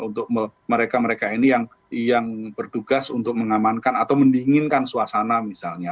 untuk mereka mereka ini yang bertugas untuk mengamankan atau mendinginkan suasana misalnya